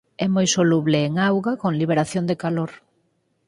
É moi soluble en auga con liberación de calor.